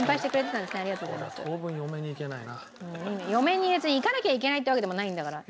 嫁に別にいかなきゃいけないってわけでもないんだから。